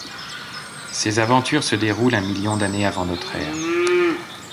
Ses aventures se déroulent un million d’années avant notre ère.